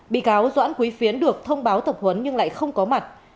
bị cáo doãn quý phiến được thông báo tập huấn nhưng lại không có mặt